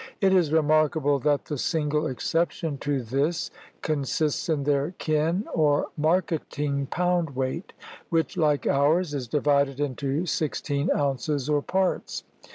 It is remarkable that the single excep tion to this consists in their kin, or marketing pound weight, which, Hke ours, is divided into sixteen ounces, or parts.